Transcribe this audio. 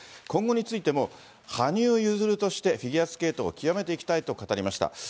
今後についても、羽生結弦としてフィギュアスケートを極めていきたいと語りました。